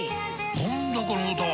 何だこの歌は！